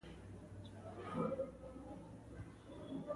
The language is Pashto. څلورم څپرکی: ترکاڼي